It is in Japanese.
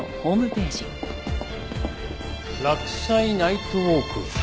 「洛西ナイトウォーク」。